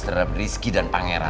terhadap rizky dan pangeran